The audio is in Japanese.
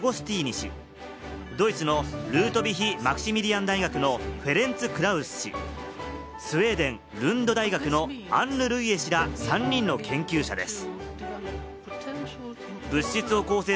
受賞が決まったのはアメリカ・オハイオ州立大学のピエール・アゴスティーニ氏、ドイツのルートヴィヒ・マクシミリアン大学のフェレンツ・クラウス氏、スウェーデン・ルンド大学のアンヌ・ルイエ氏ら３人の研究者です。